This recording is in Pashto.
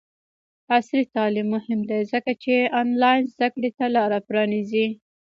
عصري تعلیم مهم دی ځکه چې آنلاین زدکړې ته لاره پرانیزي.